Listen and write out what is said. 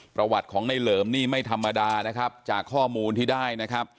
ประวัติของในเหลิมนี่ไม่ธรรมดาจากข้อมูลที่ได้